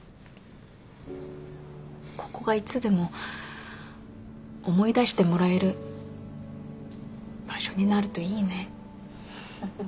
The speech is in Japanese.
ここがいつでも思い出してもらえる場所になるといいね。